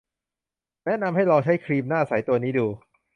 แนะนำให้ลองใช้ครีมหน้าใสตัวนี้ดู